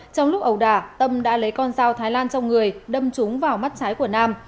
trong lúc ẩu đả tâm đã lấy con dao thái lan trong người đâm trúng vào mắt trái của nam